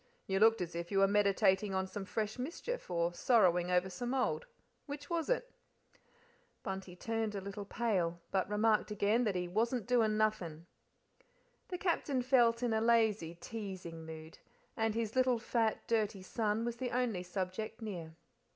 "You looked as if you were meditating on some fresh mischief, or sorrowing over some old which was it?" Bunty turned a little pale, but remarked again he "wasn't doin' nothin'." The Captain felt in a lazy, teasing mood, and his little fat, dirty son, was the only subject near.